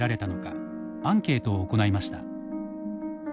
アンケートを行いました。